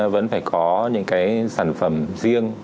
vẫn phải có những cái sản phẩm riêng